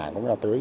cũng như là tới